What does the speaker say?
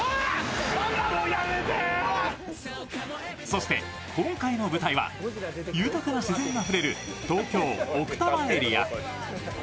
そして今回の舞台は豊かな自然あふれる東京・奥多摩エリア。